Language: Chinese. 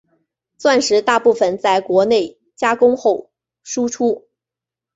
钻石大部份在国内加工后输出。